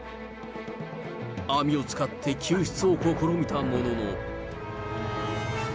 網を使って救出を試みたものの。